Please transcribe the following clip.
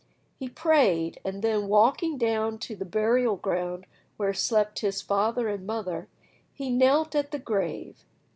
He prayed, and then walking down to the burial ground where slept his father and mother, he knelt at the grave.